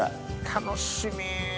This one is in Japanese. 楽しみ。